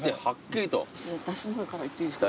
だしの方からいっていいですか？